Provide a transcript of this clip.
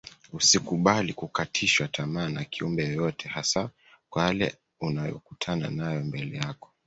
Usikubali kukatishwa tamaa na kiumbe yeyote hasa kwa yale unayokutana nayo mbele yako